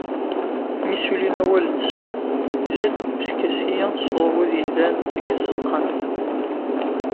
Mi ssulin awal-nsen, yella-d uskasi sɣur wid yellan deg tzeqqa-nni.